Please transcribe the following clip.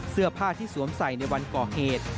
เสื้อผ้าที่สวมใส่ในวันก่อเหตุ